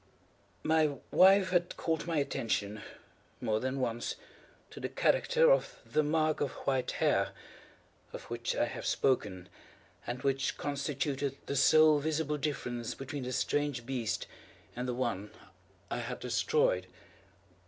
My wife had called my attention, more than once, to the character of the mark of white hair, of which I have spoken, and which constituted the sole visible difference between the strange beast and the one I had destroyed.